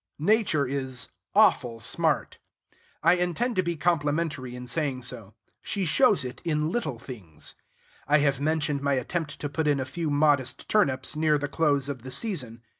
Nature is "awful smart." I intend to be complimentary in saying so. She shows it in little things. I have mentioned my attempt to put in a few modest turnips, near the close of the season.